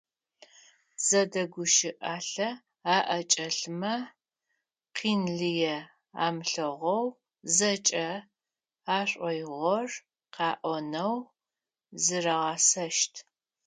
Зэдэгущыӏалъэ аӏэкӏэлъмэ, къин лые амылъэгъоу зэкӏэ ашӏоигъор къаӏонэу зырагъэсэщт.